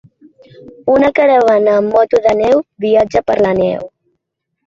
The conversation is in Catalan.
Una caravana amb moto de neu viatja per la neu.